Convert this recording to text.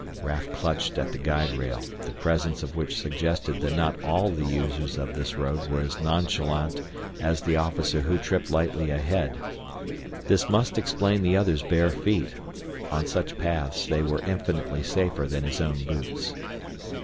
Raf clutched at the guide rail, the presence of which suggested that not all the users of this road were as nonchalant as the officer who tripped lightly ahead. This must explain the other's bare feet on such paths they were infinitely safer than his own boots.